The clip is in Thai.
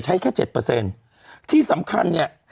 แค่เจ็ดเปอร์เซ็นต์ที่สำคัญเนี่ย